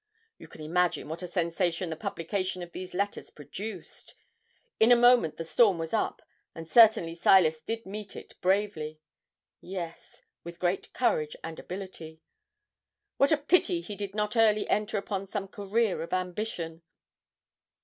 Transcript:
You can't imagine what a sensation the publication of these letters produced. In a moment the storm was up, and certainly Silas did meet it bravely yes, with great courage and ability. What a pity he did not early enter upon some career of ambition!